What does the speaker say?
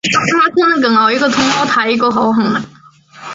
迈耶狸藻为狸藻属似多年中型食虫植物。